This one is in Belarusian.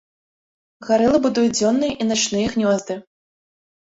Гарылы будуюць дзённыя і начныя гнёзды.